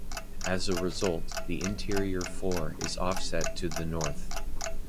As a result, the interior floor is offset to the north.